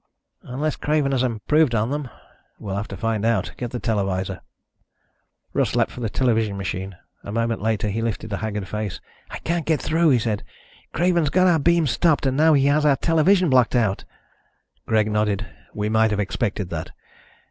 "Unless Craven has improved on them." "We'll have to find out. Get the televisor." Russ leaped for the television machine. A moment later he lifted a haggard face. "I can't get through," he said. "Craven's got our beams stopped and now he has our television blocked out." Greg nodded. "We might have expected that.